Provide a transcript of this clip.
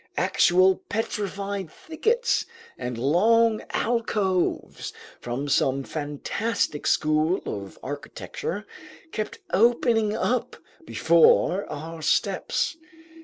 Actual petrified thickets and long alcoves from some fantastic school of architecture kept opening up before our steps.